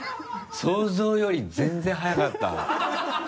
想像より全然早かった。